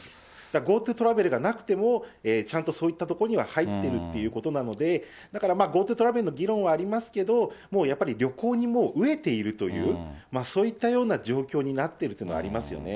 ＧｏＴｏトラベルがなくても、ちゃんとそういったところには入ってるっていうことなので、だからまあ、ＧｏＴｏトラベルの議論はありますけれども、もうやっぱり旅行に飢えているという、そういったような状況になってるというのはありますよね。